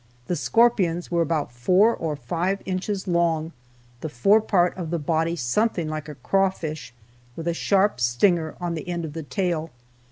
The scorpions were about four or five inches long, the fore part of the body something like a crawfish, with a sharp stinger on the end of the tail.